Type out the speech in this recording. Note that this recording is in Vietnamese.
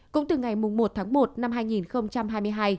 cũng từ ngày một tháng một năm hai nghìn hai mươi hai